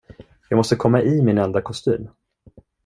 Jag måste komma i min enda kostym.